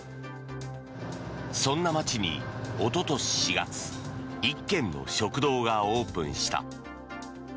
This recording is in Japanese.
そんな町に、おととし４月１軒の食堂がオープンした。